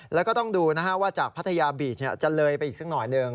แล้วก็ต้องดูว่าจากพัทยาบีชจะเลยไปอีกสักหน่อยหนึ่ง